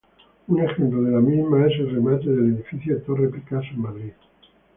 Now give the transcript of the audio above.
Un ejemplo de la misma es el remate del edificio Torre Picasso en Madrid.